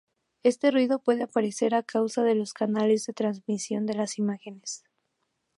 Este ruido puede aparecer a causa de los canales de transmisión de las imágenes.